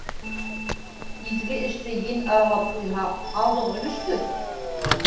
Изге эште ен аралап ҡуйһа, алдың өлөштө!